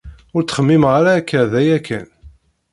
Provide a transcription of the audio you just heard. Ur ttxemmimeɣ ara akka daya kan.